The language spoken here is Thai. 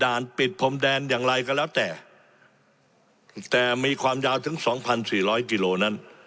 ปิดพรมแดนอย่างไรก็แล้วแต่แต่มีความยาวถึงสองพันสี่ร้อยกิโลนั้น